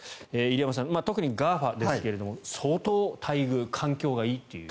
入山さん、特にＧＡＦＡですが相当待遇、環境がいいという。